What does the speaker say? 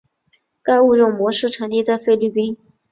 该物种的模式产地在菲律宾。